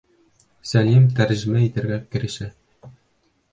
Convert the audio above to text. Сәлим тәржемә итергә керешә.